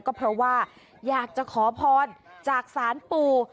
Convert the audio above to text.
ก็เพราะว่าอยากจะขอพรจากศาลปู่